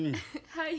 はい。